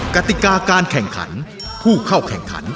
กติกาการแข่งขันผู้เข้าแข่งขัน